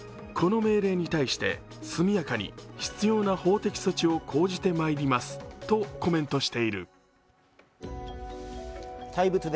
この命令に対して速やかに必要な法的措置を講じてまいりますとコメントしています。